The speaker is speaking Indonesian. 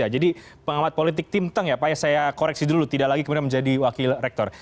pengamat politik tim ya pak ya saya koreksi dulu tidak lagi kemudian menjadi wakil rektor